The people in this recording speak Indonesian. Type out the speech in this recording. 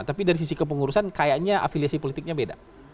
tapi dari sisi kepengurusan kayaknya afiliasi politiknya beda